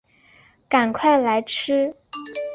赶快来吃